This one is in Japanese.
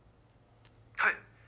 はい。